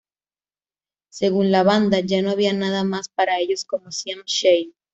Según la banda, ya no había nada más para ellos como Siam Shade.